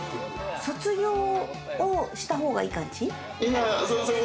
卒業した方がいい感じ？